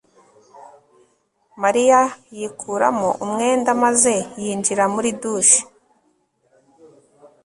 mariya yikuramo umwenda maze yinjira muri douche